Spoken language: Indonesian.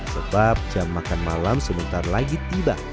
sebab jam makan malam sebentar lagi tiba